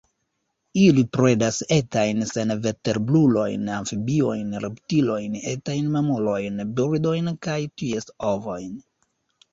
Ili predas etajn senvertebrulojn, amfibiojn, reptiliojn, etajn mamulojn, birdojn kaj ties ovojn.